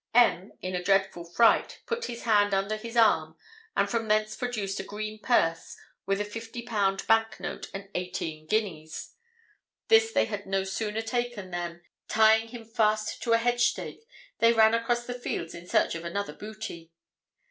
_ M , in a dreadful fright, put his hand under his arm, and from thence produced a green purse with a fifty pound bank note and eighteen guineas. This they had no sooner taken than, tying him fast to a hedge stake, they ran across the fields in search of another booty.